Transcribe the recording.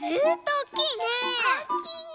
おっきいの。